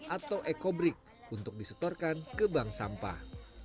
atau ekobrik untuk disetorkan ke bank sampah